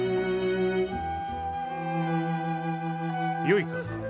よいか？